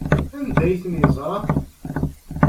Anda ay ten-yeẓra?